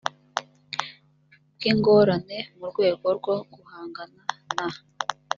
bw ingorane mu rwego rwo guhangana na